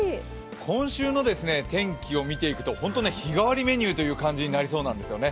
今週の天気を見ていくと本当に日替わりメニューという感じになりそうなんですよね。